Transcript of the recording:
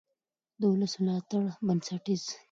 د ولس ملاتړ بنسټیز دی